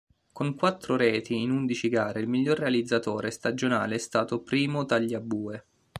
Con quattro reti in undici gare il miglior realizzatore stagionale è stato Primo Tagliabue.